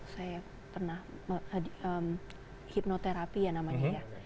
saya pernah hipnoterapi ya namanya ya